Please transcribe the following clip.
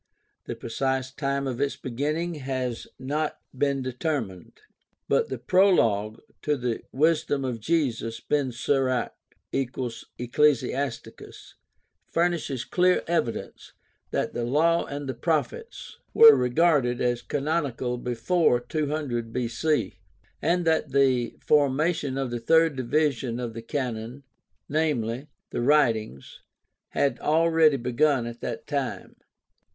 The precise time of its beginning has not been determined; but the prologue to the Wisdom of Jesus ben Sirach (= Ecclesi asticus) furnishes clear evidence that the Law and the Prophets were regarded as canonical before 200 B.C., and that the formation of the third division of the Canon, viz., the Writings, had already begun at that time.